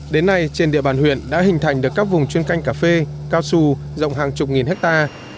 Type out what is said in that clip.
đến nay trên địa bàn huyện đã hình thành được các vùng chuyên canh cà phê cao su rộng hàng chục nghìn hectare